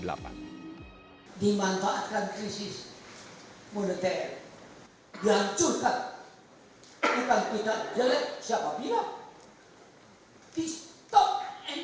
bukan kita jelek siapa bilang